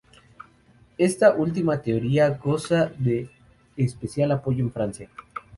Esta última teoría goza de especial apoyo en Francia.